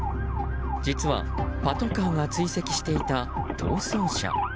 実はパトカーが追跡していた逃走車。